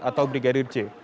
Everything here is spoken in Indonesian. atau brigadir j